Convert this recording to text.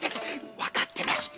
わかってます。